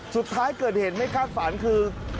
สุดท้ายเกิดเหตุไม่คาดฝันคือ